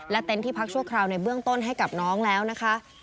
เต็นต์ที่พักชั่วคราวในเบื้องต้นให้กับน้องแล้วนะคะ